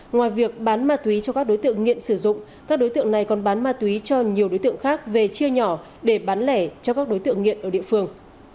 ngoài việc bán ma túy cho các đối tượng nghiện sử dụng các đối tượng này còn bán ma túy cho nhiều đối tượng khác về chia nhỏ để bán lẻ cho các đối tượng nghiện ở địa phương